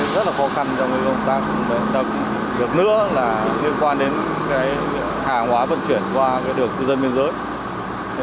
rất là khó khăn cho người dân được nữa là liên quan đến hàng hóa vận chuyển qua đường cư dân biên giới